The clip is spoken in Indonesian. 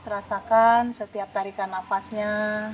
rasakan setiap tarikan nafasnya